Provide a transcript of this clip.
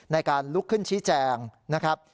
ในการลุกขึ้นชี้แจงนะครับ